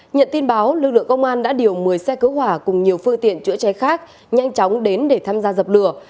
nhận tin báo lực lượng công an đã điều một mươi xe cứu hỏa cùng nhiều phương tiện chữa cháy khác nhanh chóng đến để tham gia dập lửa